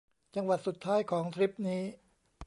จังหวัดสุดท้ายของทริปนี้